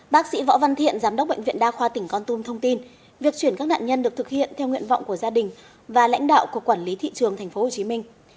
bác sĩ võ văn thiện giám đốc bệnh viện đa khoa tỉnh con tum thông tin việc chuyển các nạn nhân được thực hiện theo nguyện vọng của gia đình và lãnh đạo của quản lý thị trường tp hcm